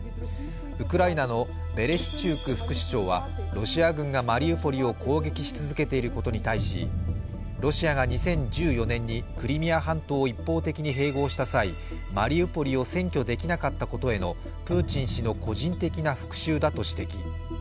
ウクライナのベレシチューク副首相はロシア軍がマリウポリを攻撃し続けていることに対しロシアが２０１４年にクリミア半島を一方的に併合した際、マリウポリを占拠できなかったことへのプーチン氏の個人的な復しゅうだと指摘。